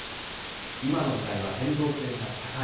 今の時代は変動性が高い。